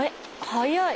早い！